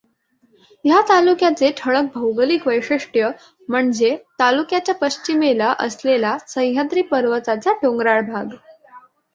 ह्या तालुक्याचे ठळक भौगोलिक वैशिष्ट्य म्हणजे तालुक्याच्या पश्चिमेला असलेला सह्याद्री पर्वताचा डोंगराळ भाग.